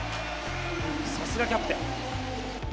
さすがキャプテン。